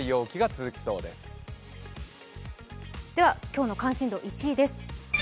今日の関心度１位です。